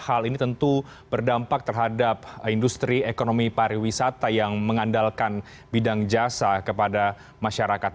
hal ini tentu berdampak terhadap industri ekonomi pariwisata yang mengandalkan bidang jasa kepada masyarakat